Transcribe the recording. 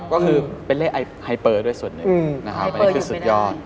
ก็คือเป็นเลขไฮเปอร์ด้วยส่วนหนึ่งนะครับอันนี้คือสุดยอด